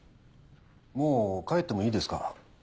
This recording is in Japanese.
もう帰ってもいいですか？